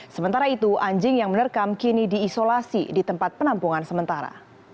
sementara itu anjing yang menerkam kini diisolasi di tempat penampungan sementara